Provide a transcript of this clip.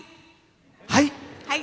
はい。